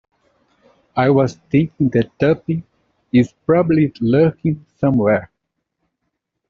I was thinking that Tuppy is probably lurking somewhere.